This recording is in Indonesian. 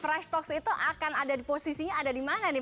fresh tax itu akan ada di posisinya ada di mana nih